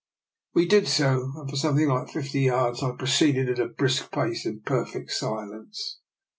We did so, and for something like fifty yards proceeded at a brisk pace in perfect silence.